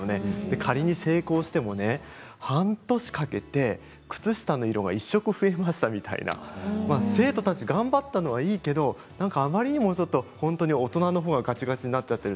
仮に成功しても半年かけて靴下の色が１色増えましたみたいな生徒たちは頑張ったのはいいけれどあまりにも、本当に大人のほうががちがちになっている。